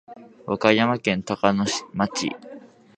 和歌山県高野町